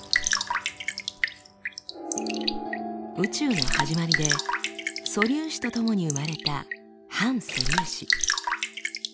宇宙の始まりで素粒子とともに生まれた反素粒子。